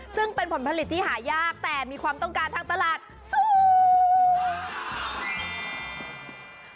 ซึ่งเป็นผลผลิตที่หายากแต่มีความต้องการทางตลาดสูง